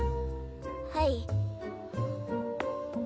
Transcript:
はい。